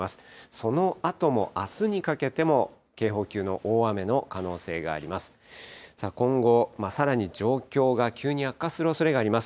そのあともあすにかけても、警報級の大雨の可能性があります。